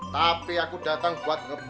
tapi aku datang memperbaiki